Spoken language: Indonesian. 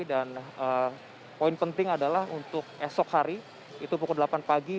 dan poin penting adalah untuk esok hari itu pukul delapan pagi